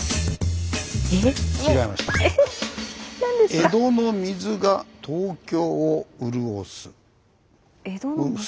「江戸の水が東京を潤す」。